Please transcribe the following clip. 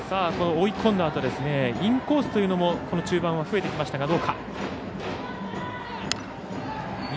追い込んだあとインコースというのも中盤は増えてきました。